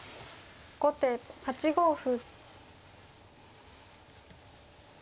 後手８五歩。